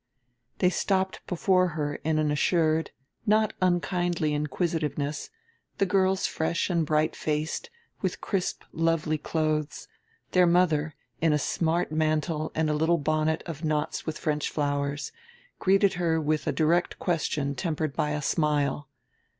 They stopped before her in an assured, not unkindly inquisitiveness, the girls fresh and bright faced, with crisp lovely clothes; their mother, in a smart mantle and little bonnet with knots of French flowers, greeted her with a direct question tempered by a smile.